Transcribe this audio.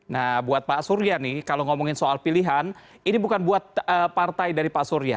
nah buat pak surya nih kalau ngomongin soal pilihan ini bukan buat partai dari pak surya